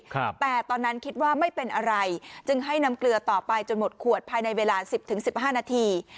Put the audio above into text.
แต่ตอนนั้นคิดว่าไม่เป็นอะไรจึงให้น้ำเกลือต่อไปจนหมดขวดภายในเวลาสิบถึงสิบห้านาที